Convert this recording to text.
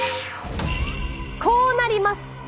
こうなります。